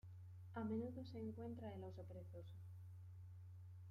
A menudo se encuentra el oso perezoso.